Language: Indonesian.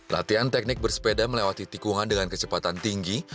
latihan teknik bersepeda melewati tikungan dengan kecepatan tinggi